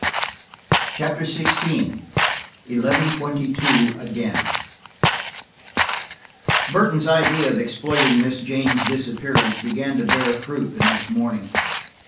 CHAPTER XVI ELEVEN TWENTY TWO AGAIN BURTON'S idea of exploiting Miss Jane's disappearance began to bear fruit the next morning.